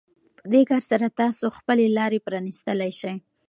په دې کار سره تاسو خپلې لارې پرانيستلی شئ.